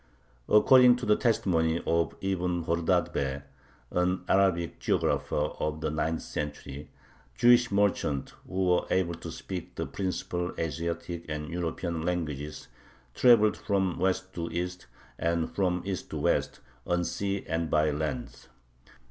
According to the testimony of Ibn Khordadbeh, an Arabic geographer of the ninth century, Jewish merchants, who were able to speak the principal Asiatic and European languages, "traveled from West to East and from East to West, on sea and by land."